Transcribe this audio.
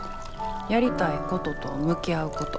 「やりたいことと向き合うこと」。